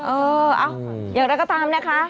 เออเอ้าอย่างนั้นก็ตามนะคะ